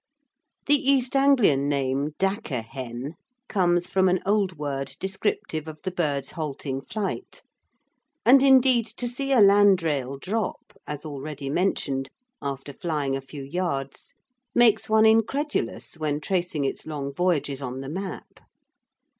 The East Anglian name "dakker hen" comes from an old word descriptive of the bird's halting flight; and indeed to see a landrail drop, as already mentioned, after flying a few yards, makes one incredulous when tracing its long voyages on the map.